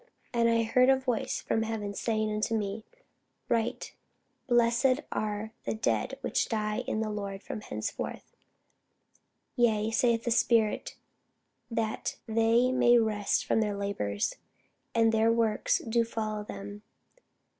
And I heard a voice from heaven saying unto me, Write, Blessed are the dead which die in the Lord from henceforth: Yea, saith the Spirit, that they may rest from their labours; and their works do follow them.